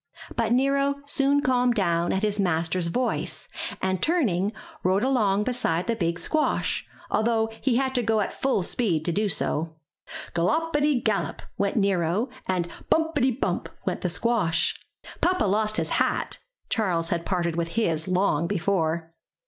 But Nero soon calmed down at his master's voice, and turning, rode along beside the big squash, although he had to go at full speed to do so. '^Gallopty gallop'* went Nero and *'bumpity bump went the squash. Papa lost his hat (Charles had parted with his long before).